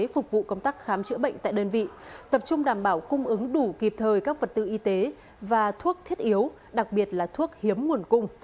phục vụ công tác khám chữa bệnh tại đơn vị tập trung đảm bảo cung ứng đủ kịp thời các vật tư y tế và thuốc thiết yếu đặc biệt là thuốc hiếm nguồn cung